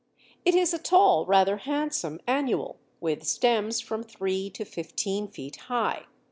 It is a tall, rather handsome annual, with stems from three to fifteen feet high.